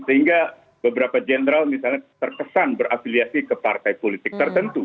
sehingga beberapa jenderal misalnya terkesan berafiliasi ke partai politik tertentu